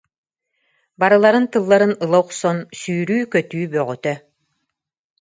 Барыларын тылларын ыла охсон, сүүрүү-көтүү бөҕөтө.